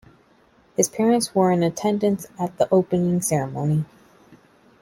His parents were in attendance at the opening ceremony.